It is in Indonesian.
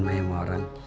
ma yang orang